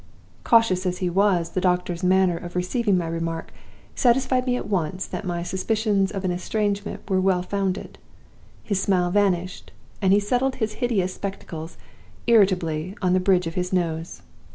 Cautious as he was, the doctor's manner of receiving my remark satisfied me at once that my suspicions of an estrangement were well founded. His smile vanished, and he settled his hideous spectacles irritably on the bridge of his nose.